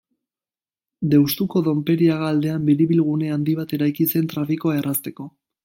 Deustuko Doneperiaga aldean biribilgune handi bat eraiki zen trafikoa errazteko.